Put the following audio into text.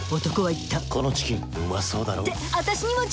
このチキン、うまそうだろ？